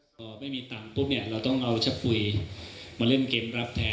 ส่วนการขาดสารรัฐอยู่เย็นที่ติดโทษแบรนด์ยอมรับว่า